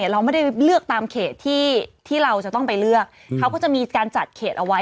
เราไม่ได้เลือกตามเขตที่เราจะต้องไปเลือกเขาก็จะมีการจัดเขตเอาไว้